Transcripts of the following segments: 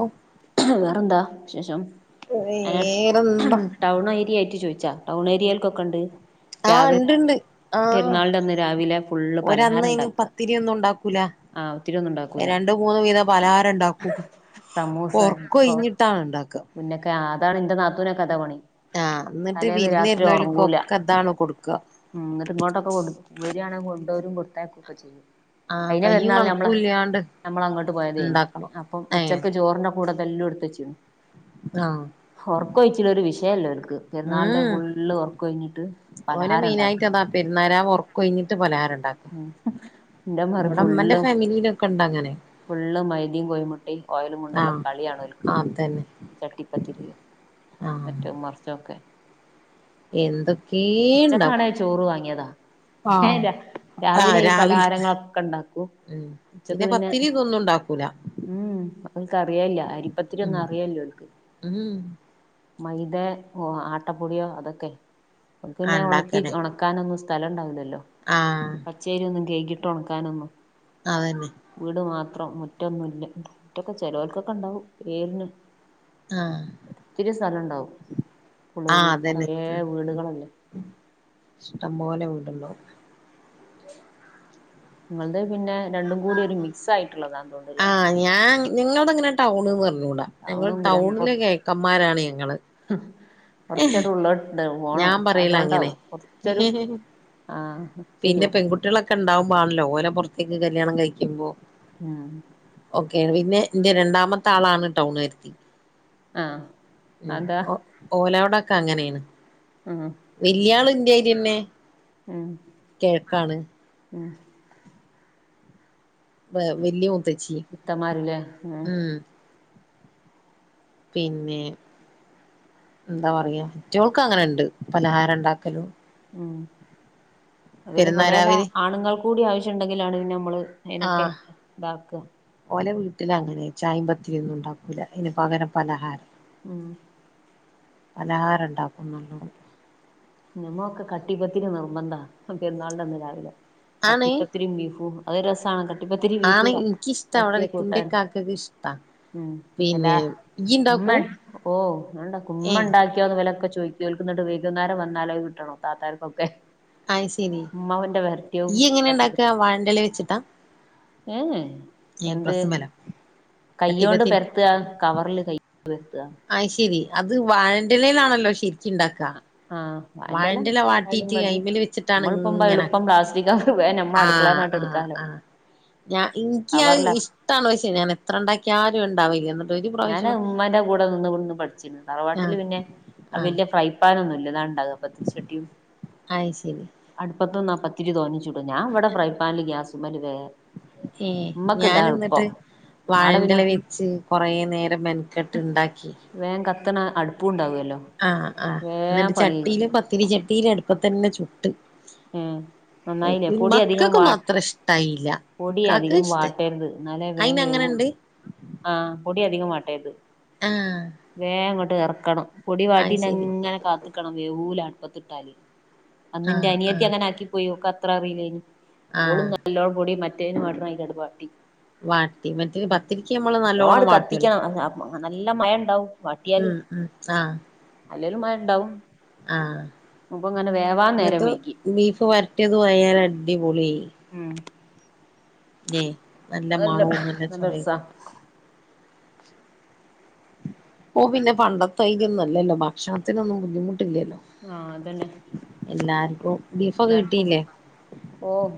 ഔ വേറെന്താ വിശേഷം അതിന വേറെന്താ ടൗൺഏരിയ ആട്ട് ചോദിച്ചാ ടൗൺ ഏരിയൽക്കൊക്കെ ഉണ്ട് ആഹ് രാവിലെ ഉണ്ട്ണ്ട് ആഹ് പെരുന്നാളിന്റെ അന്ന് രാവിലെ ഫുള്ള് ഒര പലഹാരം അന്നതിന് ഉണ്ടാക്കുക പത്തിരി ഒന്നും ഉണ്ടാക്കൂല ആഹ് ഒത്തിരി ഒന്നുണ്ടാവും രണ്ട് മൂന്ന് വീതം പലഹാരം ഉണ്ടാക്കൂ സമൂസ പറക്ക എന്തൊക്കോ കഴിഞ്ഞിട്ടാണ് ഉണ്ടാക്കുക മുന്നൊക്കെ അതാണ് എന്താ നാത്തുനെ കഥപണി ആഹ് എന്നിട്ട് വിരന്ന് വരുന്നവലക്കൊക്കെ അതാണ് കൊടുക്കുക ഉം അങ്ങ ഇങ്ങോട്ടൊക്കെ കൊടു കുരിയാണെങ്കിൽ കൊണ്ടരും കൊടുത്തേക്കും ഒക്കെ ചെയ്യും ആ കഴിഞ്ഞ കയ്യും പെരുന്നാൾ നമ്മള് കണക്കും ഇല്ലാണ്ട് നമ്മൾ അങ്ങോട്ട് പോയതേനി ഉണ്ടാക്കണം അപ്പം ഏ ഉച്ച ചോറിന്റെ കൂടെതെല്ലാം എടുത്ത വച്ചണ് ആ ഉറക്ക വിച്ചില്ല ഒരു വിഷയല്ലോ അവർക്ക് ചെറുന്നനാളിറെ ഉം ഫുള് ഉറർക്ക് കഴിഞ്ഞിട്ട് പലഹാരം ഉണ്ടാക്കുക വരുന്നാരം ഉറകഴിഞ്ഞിട്ട് പലഹറുണ്ടാക്കും ഉം എന്റെ മാറി ഫുളും ഫാമിലിയിലൊക്കെ ഇണ്ട് അങ്ങനെ ഫുള്ള് മൈനിം കോഴിമുട്ടിയ ഓയിലും കൊണ്ടുള്ള കളിയാണോൽക്കുന്നത് ആതന്നെ ചട്ടിപ്പത്തിരി മറ്റോ മറച്ചൊക്കെ എന്തൊക്കേ അച്ചക്കാണ ഇണ്ടാക്കും ചോറ് വാങ്ങിയതാ ഏഹ് ആഹ് ആഹ് രാവിലെ ഈ രാവിൽത്തെ പലഹാരങ്ങളൊക്കെ ഉണ്ടാക്കൂ ഉം ഉച്ചക്ക് പിന്നെ പത്തിരി ഇതൊന്നും ഉണ്ടാക്കൂല ഉം അവൾക്ക് അറിയല്ല അരിപ്പത്തിരി ഉം ഒന്നും അറിയല്ലോ അവൾക്ക് ഉം മൈദ ഓ ആട്ടപ്പൊടിയോ അതൊക്കെ ആഹ് പിന്നെ ഉണക്കി ഉണ്ടാക്കണേ ഉണ ക്കാനന്നും സ്ഥലം ഉണ്ടാവില്ലല്ലോ ആഹ് പച്ചേരി ഒന്നും കഴകിട്ട് ഉണക്കാനൊന്നു അതന്നെ വീട് മാത്രം മുറ്റൊന്നുമില്ല മുറ്റൊക്കെ ചെലവർക്കൊക്കെ ഉണ്ടാവും [unintelligible] ആഹ് ഇത്തിരി സ്ഥലണ്ടാവും [unintelligible] കുറ വീടുകളല്ലെ ഇഷ്ട്ടം പോലെ ഉണ്ടല്ലൊ നിങ്ങൾത് പിന്നെ രണ്ടും കൂടി ഒരു മിക്സ് ആയിട്ടുള്ളതാ തോന്നുല്ലേ ഞാ ഞങ്ങൾതങ്ങനെ ടൗൺന്ന് പറഞ്ഞൂടാ ഞങ്ങൾ ടൗണും ടൗണിലെ കേക്കന്മാരാണ് ഞങ്ങള് കൊറച്ചരു ഉള്ളോട്ട്ണ്ട് പോണം ഞാൻ പറയല അങ്ങനെ അതോണ്ടാവും കൊർച്ചൊരു ആഹ് ശരിയാ ഒക്ക ഉണ്ടാവുമ്പാണല്ലോ ഓലെ പുറത്തേക്ക് കല്യാണം കഴിക്കുമ്പോ ആഹ് ഓക്കെ പിന്നെ എന്റെ രണ്ടാമത്തെ ആളാണ് ടൗണാര്ത്തി ആഹ് ഉം അതാ ഓലോടൊക്കെ അങ്ങനെണ് ഉം വല്ല്യാൾ ന്തേ പിന്നെ ഉം ഉം വ വല്യോ ഇത്തമാരില്ലേ ആഹ് പിന്നെ എന്താ പറയാ മറ്റോക്ക്ങ്ങനെണ്ട് പലഹാരം ഉണ്ടാക്കലും ഉം പിന്നെ പെരേല് പെരുന്നാരാവിന് ആണുങ്ങൾ കൂടി ആവശ്യണ്ടെങ്കിലാണ് ഞമ്മള് അയ്നൊക്കെ ആഹ് താക്ക ഓലെ വീട്ടിലങ്ങനെ ചായി പത്തിരിം ഒന്നും ഉണ്ടാക്കൂല അയ്ന് പകരം പലഹാരം ഉം പലഹാരം ഉണ്ടാക്കും നല്ലോണം നമ്മൊളക്കെ കട്ടിപ്പത്തിരി നിർബന്ധാ പെരുന്നാളിൻ്റെന്ന് രാവിലെ ആണ് കട്ടിപ്പത്തിരി ബീഫും അത രസാണ് കട്ടിപ്പത്തിരി ബീഫും ആണ് എനിക്കിഷ്ട വെർട്ടിയ അവിടെ ഇന്റെ കൂട്ടാനും ഇക്കാക്കക്ക് ഇഷ്ടാ ഉം അല്ല പിന്നെ ഇയ്യ് ഉമ്മേ ഇണ്ടാക്കും ഓണ്ടാക്കും ഏഹ് മ്മണ്ടാക്കി ഇവലക്കെ ചോയ്ക്ക് കേൾക്ക്ന്ന്ണ്ട് വൈകുന്നാരം വന്നാലഹ് ക്ട്ടണം താത്താര്ക്കൊക്കെ. അയ് ശരി ഇമ്മാവന്റെ വർട്ട്യവും ഇയ്യ് എങ്ങനെ കട്ടിപ്പത്തി ഇണ്ടാക്കാ വാഴന്റെല വെച്ചിട്ടാ ഏഹ് ഏഹ് ഏഹ് എന്ത് പ്രസ്മലോ കയ്യോണ്ട് ചട്ടിപ്പത്തിരി പെ ത്ത കവറ്ൽ കൈ വ് ത്താ അഹ്ശെരി അത് വാഴൻ്റെലെലാണല്ലോ ശരിക്ക്ണ്ടാക്കാ. ആഹ് വായൻ്റലാ ആയാലും മതി അയിമല് വെച്ചിട്ടാണ് മ്മള്പ്പം ഇങ്ങനെ എള്പ്പം പ്ലാസ്റ്റിക്കാക്കും വേ ഞമ്മ ആഹ് അട്ക്കളേന്നാ ആഹ് എട്ക്കാലോ ആഹ് ഞാ ഇൻക്ക്യഹ് ഇഷ്ടാണ് പക്ഷേ ഞാൻ എത്ര ണ്ടാക്കിയാലും ഇണ്ടാവേല്ല്യ ന്ന് ഞാൻ മ്മാന്റെ കൂടെ നിന്നുകൊണ്ട് പഠിച്ചിണ് ആഹ് തറവാട്ട്ല് പിന്നെ ആഹ് വല്യ ക്രൈം വേറന്നുല്ലാ താണ്ടാവ പ്പ [unintelligible] ചട്ടിയും അഹ്ശരി അട്പ്പത്ത്ന്നാ പത്തിരി തോനിം ചുടും ഞാ ഇവടെ ഫ്രൈഫാൻൽ ഗ്യാസ്മ്മല് വേം ഏഹ് ഞാൻ ന്ന്ട്ട് ആടെ പിന്നെ വാഴൻ്റല വെച്ച് കൊറെ നേരം മെൻ കെട്ട്ണ്ടാക്കി വേം കത്ത്ണ അട്പ്പും ണ്ടാവല്ലോ. ആഹ് ആഹ് ന്ന്ട്ട് ചട്ടീല് പത്തിരി ചട്ടീല് അട്പ്പത്തന്നെ ചുട്ട് ഏഹ് നന്നായിലേ പൊടി അധികം വാ മക്കക്കൊന്നും അത്ര ഇഷ്ടായില്ല പൊടി ഇക്കാക്ക് അധികം ഇഷ്ടായി വാട്ടര്ത് ന്നാലേ വേം അയിന് വേവുള്ളൂ. അങ്ങനെണ്ട് ആഹ് പൊടി അധികം വാട്ടര്ത് ആഹ് വേം ങ്ങോട്ട് എർക്കണം. പൊടി അയ് ശരി വാട്ടീണ്ടങ്ങനെ കാത്ത്ക്കണം വേവൂല അട്പ്പത്ത്ട്ടാല് അന്ന്ന്റെ ആഹ് അനിയത്തി ആഹ് അങ്ങനെ ആക്കി പോയി ഓക്ക അത്ര അറിലേനി ഓള് ആഹ് നല്ലോ പൊടി മറ്റേ വാട്ട്നായിരി വാട്ടി. വാട്ടി മറ്റേ പത്തിരിക്ക്യമ്മള് നല്ലോണ്ണം വാട്ടുല്ലൊ. ആഹ് നല്ല മയണ്ടാവും വാട്ടിയാല് ഉം ഉം ആഹ് അല്ലേലും മയംണ്ടാവും. ആഹ് ന്ന്ട്ട് വൈകി ബീഫ് വരട്ട്യത് ആയാല് അടിപൊളിയി. ഉം ഏയ് നല്ല മണവും നല്ല ചൊവയൊക്കണ്ട ഓഹ് പിന്നെ പണ്ടത്തൈരി ഒന്നല്ലല്ലോ ഭക്ഷണത്തിനൊന്നും ബുദ്ധിമുട്ട്ല്ലല്ലോ. ആഹ് അതന്നെ എല്ലാർക്കും ബീഫൊക്കെ കിട്ടിയില്ലേ? ഓഹ്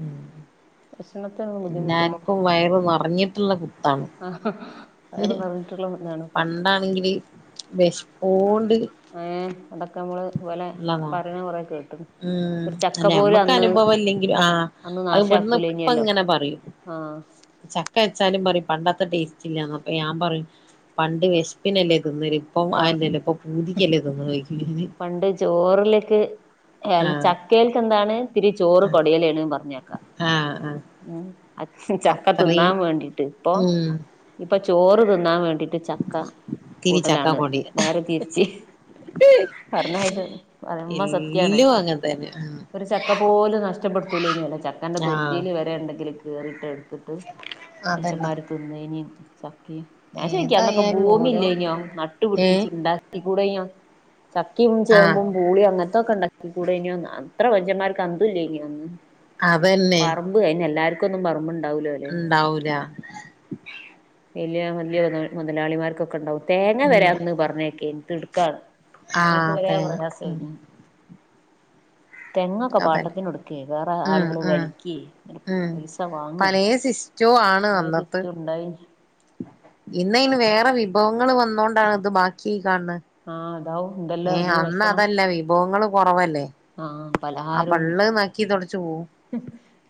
ഉം ഭക്ഷണത്തിനൊന്നും ബുദ്ധിമുട്ടില്ല. വയർ ന്ന പഞ്ഞിത്തുള്ള കുത്താണ് ആഹ് ഹ് വയറ് ഹ് നിറഞ്ഞിട്ടുള്ള ഇതാണ് ഇപ്പൊ പണ്ടാണെങ്കില് വെഷ്പ്പോണ്ട് ഏം അതൊക്കെ മ്മള് പോലെ പറിണ കൊറെ കേട്ട്ണ്. ഉം ഒരു ചക്ക അല്ലെ പോലും നമ്മക്ക് അന്ന് അനുഭവം ല്ലെങ്കിലും ആഹ് അന്ന് അഹ് ബട്ന്ന് പ്പ നാശാക്കൂലേനിയല്ലോ ങ്ങനെ പറയും. ആഹ് ചക്ക വെച്ചാലും പറിം പണ്ടത്തെ ടേസ്റ്റ് ഇല്ലാന്ന് അപ്പ ഞാ പറിം പണ്ട് വെഷ്പ്പ്നല്ലേ തിന്നല്. പ്പം ആഹ് അഹല്ലല്ലേ ഇപ്പൊ പൂതിക്കല്ലേ ത്ന്ന്ണോയ്ക്കും ഞാൻ. ചോർലേക്ക് എൽ ഞാന് ചക്കേൽ തിന്നാണ് തിരി ചോറ് കൊടിയൽ ണ് പർഞ്ഞേക്കാ. ആഹ് ആഹ് ഉം അച്ച് ആഹ് ചക്ക അത്രയും തിന്നാൻ വേണ്ടിട്ട് ഇപ്പൊ ഉം ഇപ്പ ചോറ് തിന്നാൻ വേണ്ടി ട്ട് ചക്ക ഇത്തിരി കൂട്ടലാണ് ചക്കപ്പൊടി നേരെ തിര്ച്ച് പറണായിരന്നെ പറിമ്പം സ ഇല്ലോ വാങ്ങേണ്ടേന്ന് ഉം ഒര് ചക്ക പോലും നഷ്ടപ്പെട്ത്തൂലേനില്ലോ ചക്കൻന്റെ തൂർ ആഹ് വരെ ണ്ടെങ്കില് കേറിട്ട് ട്ത്ത്ട്ട് അതന്നെ മൻഷമ്മാര് തിന്നേ നിം ചക്കേം. ഞാൻ ചോയിക്കാ അന്നൊക്കെ ഏതായാലും ഭൂമി ഓരോ ഇല്ലേനോ നട്ട് ഏഹ് പുട്പ്പിച്ച് ണ്ടാക്കി കൂടെനോ? ചക്കിയും ആഹ് ചേമ്പും പൂളിയും അങ്ങനത്തെക്കെ ണ്ടാക്കി കൂടെനിന്ന് അത്ര മനുഷ്യന്മാർക്ക് അന്തും ഇല്ല്യനിയോ അന്ന് അതന്നെ മ്പ് അയിന് എല്ലർക്കുംന്നും പറമ്പ്ണ്ടാവുലലോ ണ്ടാവൂലാ വലിയ വലിയ മുതലാളിമാർക്കൊക്കെണ്ടാവും തേങ്ങ ഉണ്ട വരാന്ന് പറഞ്ഞേക്കെനി തിടുക്കാണ് അങ്ങക്ക് ആഹ് വരെ തേങ്ങ ഉം പ്രയാസഏനി തെങ്ങൊക്കെ അതന്നെ പാട്ടത്തിന് ഒടുക്കേ വേറെ ഉം ആളുകള് ഉം വലി ഉം പലയ ശിസ്റ്റവും ആണ് അന്നത്തെ ഇണ്ടായിനി ഇന്ന അയിന് വേറെ വിഭവങ്ങൾ വന്നോണ്ടാണ് ഇത് ബാക്കി കാണണെ ആഹ് അതാവും എന്തെല്ലാം എറങ്ങി ഭക്ഷണം വിഭവങ്ങള് കുറവല്ലേ ആഹ് ആ പലഹാരും പള്ള് നക്കി തുടച്ചു പോവും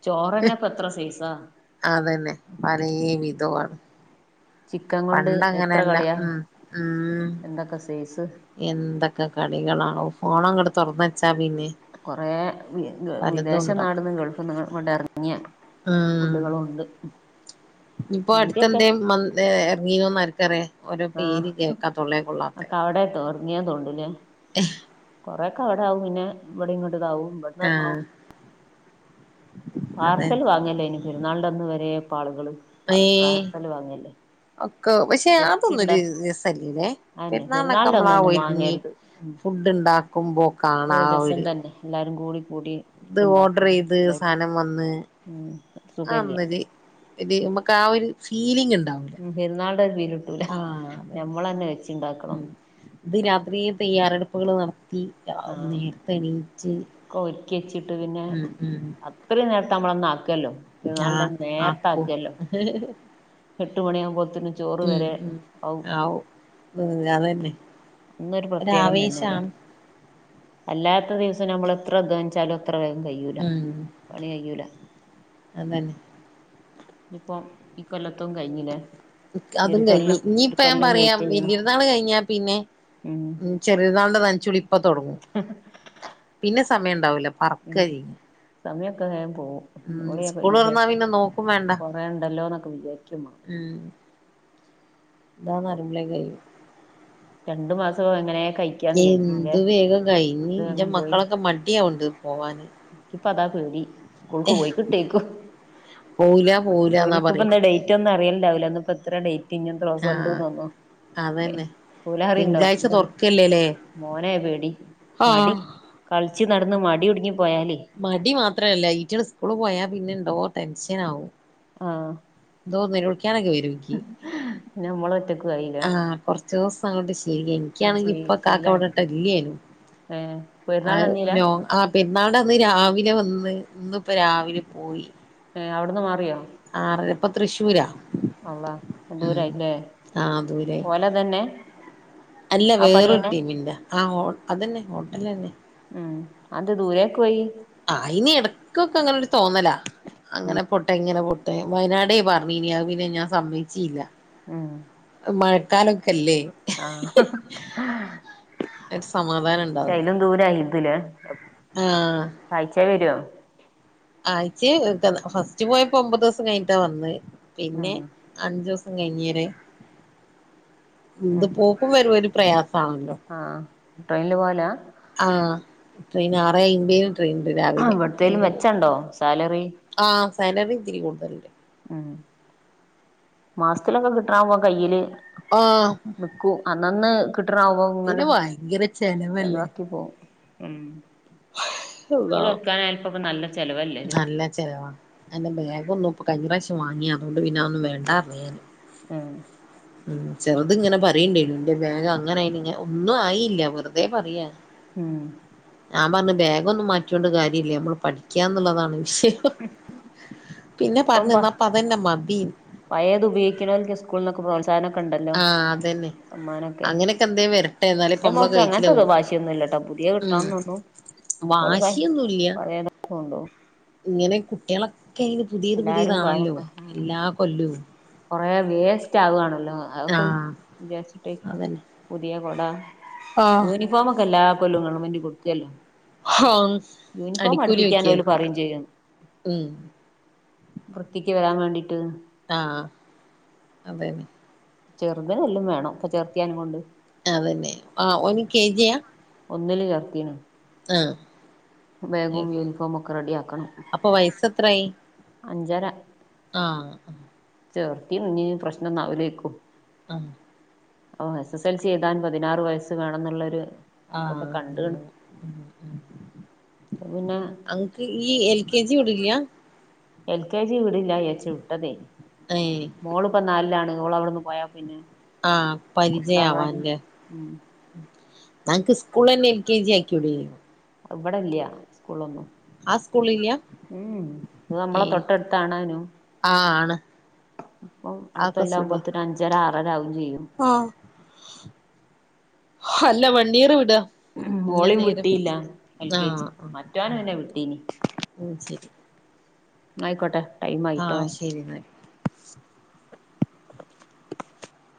ചോറന്നെ പ്പ എത്ര സൈസാ അതന്നെ പലേ വിധവാണ് ചിക്കൻ കൊണ്ട് എത്ര പണ്ടങ്ങനെല്ല കളിയാ ഉം ഉം എന്തൊക്കെ സൈസ് എന്തൊക്കെ കളികളാണോ ഫോണങ്ങട്ട് തോറന്നച്ചാ പിന്നെ കൊറെ വി പലതും വിദേശ ഉണ്ടാക്കാം നാട്ന്ന് ഗൾഫ്ന്ന് ഇങ്ങട്ട് എറങ്ങിയ ഉം ഫുഡുകളും ണ്ട് ഇപ്പൊ അടുത്തെന്തെ മ എറങ്ങീനോ ആര്ക്കറിയ ഓരോ പേര് കേക്കാ തോള്ളേ കൊള്ളാത്ത അവടെ തോ ങ്ങിയാ തോണ്ടു ലെ [unintelligible] കൊറെക്കെ അവടെ ആകും പിന്നെ ഇവടീ ഇങ്ങട്ട്താവും ആ പാർസൽ അതന്നെ വാങ്ങല്ലേ അയിന് പെരുന്നാൾൻ്റെന്ന് വരെ ഇപ്പ ആളുകള് ഏഹ് പാർസൽ വാങ്ങല്ലേ ഒക്കെ പക്ഷെ അതൊന്നും വെച്ചുണ്ട ഒരു രസല്ല്യലെ അതന്നെ പെരുന്നാള്ന് ഒക്കെ പെരുന്നാളിന്റെ അമ്മളാ അന്നൊന്നും ഒരുങ്ങി വാങ്ങരുത് ഉം ഫുഡ് ണ്ടാക്കുമ്പോ കാണ ഒരു രസം ഒര് തന്നെ എല്ലാരും കൂടി കൂടി ഇത് ഉണ്ടാക്കലും ഓർഡർയ്ത് തിന്നലും സാനം വന്ന് ഉം അ സുഖല്യ ഒന്നൊര് ഇത് അമ്മക്ക് ആ ഒരു ഫീലിംഗ് ണ്ട ഉം പെരുന്നാള്ൻ്റെ ഒരു ഫീലിട്ടൂല അതെ ഞമ്മളന്നെ വെച്ചിണ്ടാക്കണം ഉം ഇത് രാത്രി തയ്യാറെടുപ്പുകൾ നടത്തി ആഹ് നേരത്തെ എണിയിച്ച് ഒക്കെ ഒരുക്കിച്ചിട്ട് പിന്നെ അത്രയും നേരത്തെ അമ്മള് അന്ന് ആക്കല്ലോ പെരുന്നാള്ൻ്റെ ആഹ് അന്ന് നേരത്തെ ആക്കും ആക്കല്ലോ [unintelligible] എട്ടുണയാ ബോത്തിന് ഉം ഉം ആവും ഉം അതന്നെ അന്നരു പ്രത്യേകം തന്നെല്ലേ ഒരാവേശാണ് അല്ലാത്ത ദിവസം നമ്മള് എത്ര അധ്വാനിച്ചാലും അത്ര വേഗം കഴൂല ഉം പണി കഴൂല അതന്നെ ഞ്ഞിപ്പം ഇ കൊല്ലത്തും കഴിഞ്ഞിലെ അതും കഴിഞ്ഞ് ഇഞ്ഞിപ്പ ഞാൻ പറയാം ചെയ്യണം വല്യയൊരുന്നാള് കഴിഞ്ഞാ പിന്നെ ഉം ചെറിയർന്നാൽൻ്റെ നനച്ചുളി ഇപ്പൊ തൊടങ്ങും പിന്നെ സമയം ണ്ടാവൂല പറക്കാ ഉം ചെയ്യ സമയൊക്കെ വേംപോവും തുറന്നാ [unintelligible] പിന്നെ നോക്കും വേണ്ട കൊറേണ്ടല്ലോ ന്നൊക്കെ വിചാരിക്കും അമ്മള് ഉം ഇതാ ന്നറിമ്പളേക്ക് കഴിയും രണ്ടു മാസം എങ്ങനെ കഴിക്ക എന്തു വേഗം കഴിഞ് ഇന്റെ മക്കളൊക്കെ മടിയാവ്ണ്ട് പോവാന് ക്കിപ്പ അതാ പേടി സ്കൂൾക്ക് പോയി കിട്ടേക്കു പോവൂല പോവൂലന്നാ ഓല്ക്ക് പറയണ് ഇപ്പന്ന് ഡേറ്റ് ഒന്നും അറിയൽണ്ടാവൂലാ ഇന്ന് ഇപ്പോ എത്ര ഡേറ് റ്റ് ഇഞ്ഞി എത്രോസം ആഹ് ഇണ്ട്‌ന്നൊന്നും അതന്നെ പൂലാഹറി ഉണ്ടോ തിങ്കളാഴ്ച ഇവിടെ തുറക്കല്ലേല്ലേ മോനയ പേടി മടി ആഹ് കളിച്ച് നടന്ന് മടിടുങ്ങിപ്പോയാലേ മടി മാത്രല്ല ഈറ്റെള് സ്കൂള് പോയാൽ പിന്നെ ഇന്തോ ടെൻഷൻ ആവോ ആഹ് എന്തൊ നിലവിളിക്കാനൊക്കെ വരുംഎനിക്ക്- പിന്നെ നമ്മള് ഒറ്റക്ക് ആയില്ലേ ആഹ് കൊറച്ച ദിവസം അങ്ങോട്ട് ശീലായ് എനിക്കാണെങ്കി ഇപ്പൊ കാക്ക ശീലായി ഇവിടട്ടല്ലനും ഏഹ് അ പെരുന്നാളിനന്നീലാ നോ ആ ഇന്നാളതിരാവിലെ വന്ന് ഇന്ന് ഇപ്പ രാവിലെ പോയി ഏഹ് അവിടുന്ന് മാറിയോ ആറ് ഇപ്പ തൃശ്ശൂര- അള്ളാ ദൂരയില്ലേ ആഹ് ദൂരെ പോലെ തന്നെ അല്ല ആ വേറൊരു പണിയന്നെ ടീമിന്റെ ആ അതന്നെ ഹോട്ടൽ തന്നെ ഉം അത് ദൂരെയ്ക്ക് പോയി ആയിന് ഇടക്കൊക്കെ അങ്ങനെ ഒരു തോന്നല അങ്ങനെ പൊട്ടെ ഇങ്ങനെ പൊട്ടെ വയനാടേ പറഞ്ഞുനി അത് പിന്നെ ഞാൻ സമ്മയിച്ചില്ല ഉം മഴക്കാലൊക്കെല്ലേ ആഹ് ഒരു സമാധാനം ഉണ്ടാവൂല്ല ദൂരെആണെതില് ആഹ് ആഴ്ചേ വെര്വോ ആയിച്ച ഫസ്റ്റ് പോയപ്പോ ഒമ്പത് ദിവസം കഴിഞ്ഞിട്ടാ വന്നേ ഉം പിന്നെ അഞ്ചു ദിവസം കഴിഞ്ഞേരെ ഇന്ത് ഉം പോക്കും വരും ഒരു പ്രയാസമാണല്ലോ ആഹ് ട്രെയിനിൽ പോവാലാ ആഹ് ട്രെയിൻ ആറേ അയിമ്പേും ട്രെയിൻ ഉണ്ട് രാവിലെ ഇവിടത്തേലും അയിന് പോ വെച്ചണ്ടോ സാലറി ആഹ് സാലറി ഇത്തിരി കൂടുതൽ കിട്ടും - ഉം മാസത്തിലൊക്കെ കിട്ടണ പോവാ കയ്യില് ആഹ് വിക്കൂ അന്നന്ന് കിട്ടണാവ്പോ ഇങ്ങനെ പിന്നെ ഭയങ്കര ചെലവല്ലേ ചെലവാക്കി പോവും ഉം അള്ളാ സ്കൂൾ തൊക്കാനായപ്പ നല്ല- ചെലവല്ലേ ല്ലേ നല്ല ചെലവാ എന്റെ ബാഗ് ഒന്നും കഴിഞ്ഞ പ്രാവശ്യം വാങ്ങിയ അതുകൊണ്ട് പിന്നെ അതൊന്നും വേണ്ടാ ആഹ് ഉം ചെറുത് ഇങ്ങനെ പറയുണ്ടേ എന്റെ ബാഗ് അങ്ങനെയി ഒന്നും ആയില്ല വെറുതെ പറയാ മ്ഹ് - ഞാൻ പറഞ്ഞു ബാഗൊന്നും മാറ്റിയൊണ്ട് കാര്യയില്ലൃ നമ്മൾ പഠിക്കാന്നുള്ളതാണ് വിഷയം പിന്നെ പറഞ്ഞന്ന അപ്പ അതന്നെ മതി പയത് ഉപോഗിക്കണോെർക്ക് സ്കൂളിലൊക്കെ പ്രോത്സാഹന ഒക്ക ഉണ്ടല്ലോ ആഹ് അതന്നെ അമ്മാനൊക്കെ അങ്ങനെയൊക്കെ എന്തേ വരട്ടെ എന്നാലേ ഇപ്പൊ എന്റെ നമ്മളെ മോക്ക് അങ്ങനത്തെോ കഴിച്ചിലാവുള്ളൂ വാശിയൊന്നുമില്ലാട്ടോ പുതിയ കിട്ടണംന്നൊന്നും വാശിയൊന്നൂല്യാ പഴയതൊക്കെകൊണ്ടോ- ഇങ്ങനെ കുട്ടികളൊക്കെ അയിന് പുതിയത് എല്ലാരും പുതിയതാണല്ലോ എല്ലാ കൊല്ലവും കൊറെേ വേസ്റ്റ് ആവുകവാണല്ലോ ആ അതൊക്കെ വിചാരിച്ചിട്ടേക്കൂം അതന്നെ പുതിയ കൊട ആ യൂണിഫോമൊക്കെ എല്ലാ കൊല്ലോം ഗവൺമെന്റ് കൊടുക്കല്ലോ ആഹ് യൂണിഫോം അടിക്കൂലി അടുപ്പിക്കാൻ ഓല് വക്കിയന്ന് പറയും ചെയ്യും ഉം വൃത്തിക്ക് വരാൻ വേണ്ടീട്ട് ആഹ് അതെന്നെ ചെറുതെല്ലാം വേണം അപ്പൊ ചെർത്തിയാന കൊണ്ട് അതന്നെ ആ ഒ കെ ജിയാ ഒന്നില് ചേർത്തിന് ആ ബാഗും യൂണിഫോമു ഒക്കെ റെഡി ആക്കണം അപ്പൊ അഞ്ചര ആഹ ചേർത്തിനിഞ്ഞി പ്രശ്നംഒന്നും ആവൂലെർക്കും ആഹ് ഓഹ് എസ് എസ് എൽ സി എഴുതാൻ പതിനാറ് വയസ്സ് വേണംന്നുള്ളൊരു ഇതൊക്കെ ആഹ് കണ്ട്ണ് അപ്പൊ [unintelligible] പിന്നെ അഹ് ഈ എൽ കെ ജി വിടില്ല എൽ കെ ജി ഇവിടില്ല വിചാരിച്ചു വിട്ടതേർന്ന് അതേ മോളിപ്പോ നാലിലാണ് ഓള് അവിടെന്ന് പോയാ പിന്നെ ആഹ് പരിചയ ആവാൻ കൊണ്ടാവാന് ല്ലേ ഉം ന്നാങ്ങക്ക് സ്കൂൾലന്നെ എൽ കെ ജി ആയികൂടായില്ലേ ഇബടെ ഇല്ല്യാ സ്കൂളൊന്നും ആ സ്കൂളില്ല ഉം ഇത് നമ്മളെ ഏഹ് തൊട്ട എടുത്ത്ണാനും ആഹ് ആണ് അപ്പൊ അടുത്തല്ലാകുമ്പോത്തന് അഞ്ചര ആറര ആകയും ചെയ്യും ആഹ അല്ല വണ്ടിയറ് വിട ഉം ഓളീം വിട്ടിയില്ല എൽ കെ ജി മറ്റോനെ പിന്നെ വിട്ടീന് അത് ശരി ആയിക്കോട്ടെ ടൈം ആഹ ആയിട്ടോ ശരി എന്നാൽ